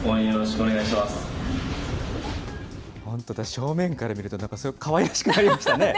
正面から見るとすごくかわいらしくなりましたね。